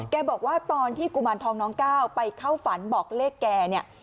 บอกว่าตอนที่กุมารทองน้องก้าวไปเข้าฝันบอกเลขแกเนี่ย